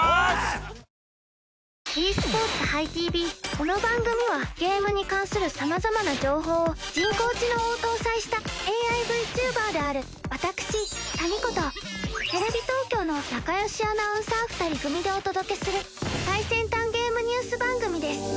この番組はゲームに関する様々な情報を人工知能を搭載したＡＩ−Ｖｔｕｂｅｒである私タミ子とテレビ東京の仲よしアナウンサー２人組でお届けする最先端ゲームニュース番組です。